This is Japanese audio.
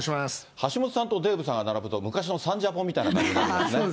橋下さんとデーブさんが並ぶと、昔のサンジャポみたいな感じになりますね。